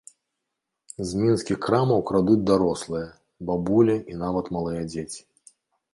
З мінскіх крамаў крадуць дарослыя, бабулі і нават малыя дзеці.